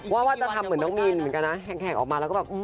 ว่าจะทำเหมือนน้องมีนเหมือนกันนะ